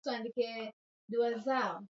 Fasihi huleta pamoja watu katika jamii.